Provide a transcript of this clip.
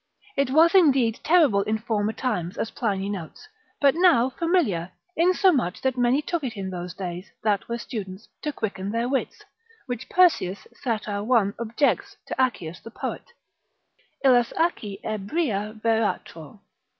It was indeed terrible in former times, as Pliny notes, but now familiar, insomuch that many took it in those days, that were students, to quicken their wits, which Persius Sat. 1. objects to Accius the poet, Illas Acci ebria veratro.